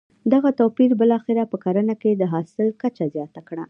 دغه توپیر بالاخره په کرنه کې د حاصل کچه زیانه کړه.